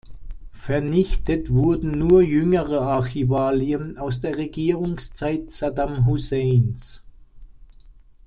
Vernichtet wurden nur jüngere Archivalien aus der Regierungszeit Saddam Husseins.